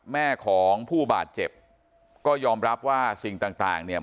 แม่ของผู้บาดเจ็บก็ยอมรับว่าสิ่งต่างเนี่ย